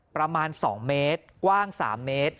ประมาณ๒เมตรกว้าง๓เมตร